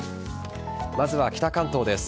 まずは北関東です。